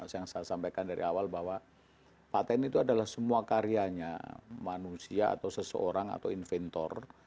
yang saya sampaikan dari awal bahwa patent itu adalah semua karyanya manusia atau seseorang atau inventor